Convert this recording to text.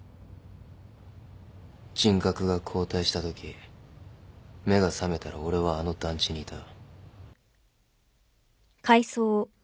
人格が交代したとき目が覚めたら俺はあの団地にいた。